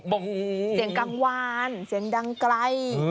เสียงกลางวานเสียงดังไกล